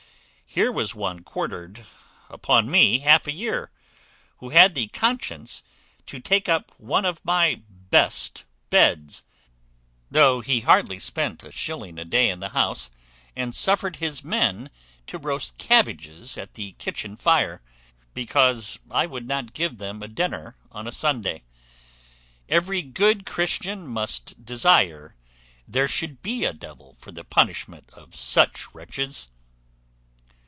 Here was one quartered upon me half a year, who had the conscience to take up one of my best beds, though he hardly spent a shilling a day in the house, and suffered his men to roast cabbages at the kitchen fire, because I would not give them a dinner on a Sunday. Every good Christian must desire there should be a devil for the punishment of such wretches."